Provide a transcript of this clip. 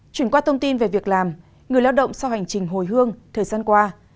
chuyển qua thông tin về việc làm người lao động sau hành trình hồi hương thời gian qua